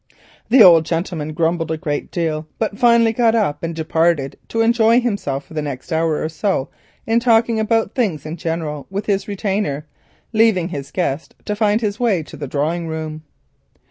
The old gentleman grumbled a great deal, but finally got up and went to enjoy himself for the next hour or so in talking about things in general with his retainer, leaving his guest to find his way to the drawing room.